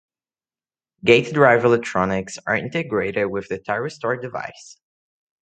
Gate drive electronics are integrated with the thyristor device.